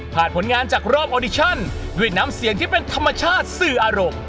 ผลงานจากรอบออดิชั่นด้วยน้ำเสียงที่เป็นธรรมชาติสื่ออารมณ์